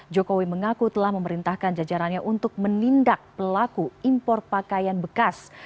jokowi mengaku telah memerintahkan jajarannya untuk menindak pelaku impor pakaian bekas